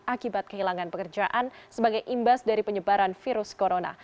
akibat kehilangan pekerjaan sebagai imbas dari penyebaran virus corona